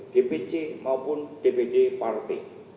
dpc maupun dpd partai